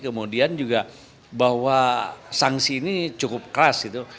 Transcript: kemudian juga bahwa sanksi ini cukup keras gitu